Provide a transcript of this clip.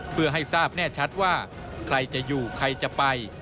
เพื่อให้ทราบแน่ชัดว่าใครจะอยู่ใครจะไป